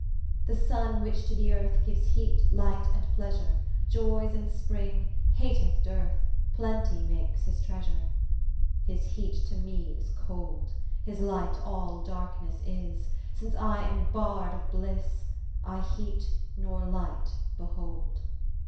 The sun which to the earth Gives heat, light, and pleasure, Joys in spring, hateth dearth, Plenty makes his treasure His heat to me is cold, His light all darkness is Since I am barred of bliss I heat nor light behold.'